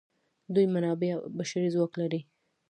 دوی منابع او بشري ځواک لري.